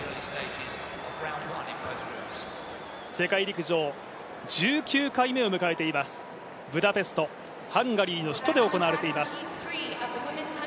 世界陸上１９回目を迎えています、ブダペスト、ハンガリーの首都で行われています。